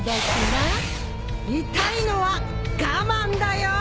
痛いのは我慢だよ！